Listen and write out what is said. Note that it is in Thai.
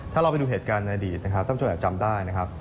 ถ้าเราไปดูเหตุการณ์ในอดีตนะครับท่านผู้อาจจำได้นะครับ